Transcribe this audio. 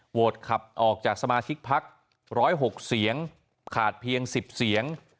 ขับออกจากสมาชิกพัก๑๐๖เสียงขาดเพียง๑๐เสียง